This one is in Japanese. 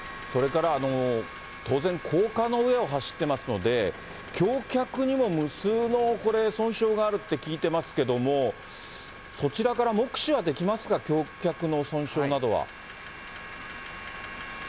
それから、当然高架の上を走ってますので、橋脚にも無数の損傷があるって聞いてますけども、そちらから目視はできますか、橋脚の損傷などは。